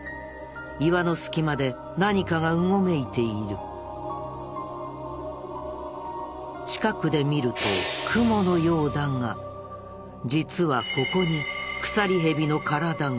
岩の隙間で何かがうごめいている近くで見るとクモのようだが実はここにクサリヘビの体が！